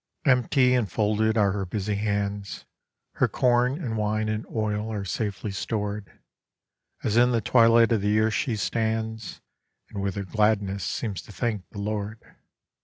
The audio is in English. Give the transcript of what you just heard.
Empty and folded are her busy hands; Her corn and wine and oil are safely stored, As in the twilight of the year she stands, And with her gladness seems to thank the Lord.